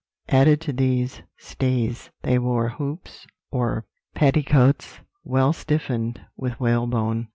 Added to these stays, they wore hoops or petticoats well stiffened with whalebone.